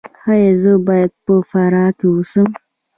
ایا زه باید په فراه کې اوسم؟